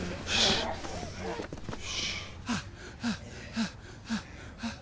はあはあはあ